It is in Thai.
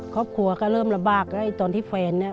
ครอบครัวก็เริ่มลำบากแล้วตอนที่แฟนเนี่ย